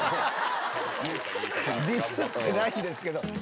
ディスってないんですけど。